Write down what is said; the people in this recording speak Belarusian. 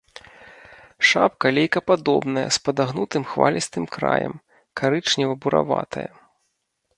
Шапка лейкападобная з падагнутым хвалістым краем, карычнева-бураватая.